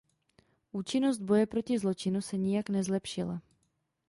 Účinnost boje proti zločinu se nijak nezlepšila.